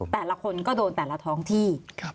แต่ละคนก็โดนแต่ละท้องที่